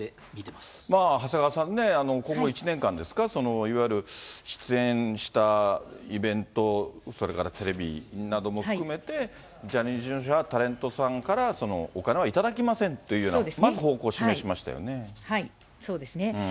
まあ、長谷川さんね、今後１年間ですか、いわゆる出演したイベント、それからテレビなども含めて、ジャニーズ事務所はタレントさんからお金は頂きませんというようそうですね。